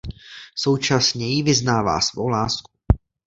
Současně jí vyznává svou lásku.